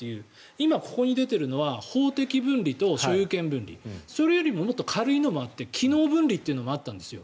今、ここに出ているのは法的分離と所有権分離それよりももっと軽いのもあって機能分離というのがあったんですよ。